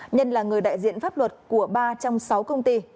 nhân là người đại diện pháp luật của ba trong sáu công ty